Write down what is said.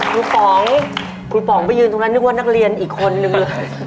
คุณป๋องคุณป๋องไปยืนตรงนั้นนึกว่านักเรียนอีกคนนึง